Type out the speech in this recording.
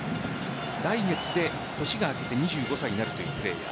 来月で年が明けて２５歳になるというプレーヤー。